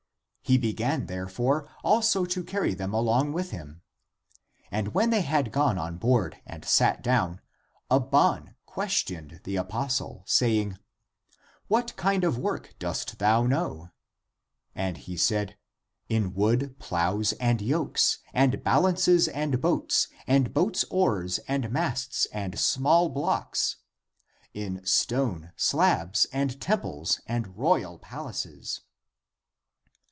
He began, therefore, also to carry them along with him. And when they had gone on board and sat down, Abban questioned the apostle, saying, " What kind of work dost thou know ?" And he said, " In wood, plows, and yokes, and balances, and boats, and boats' oars, and masts and small blocks; in stone, slabs, and temples and royal palaces."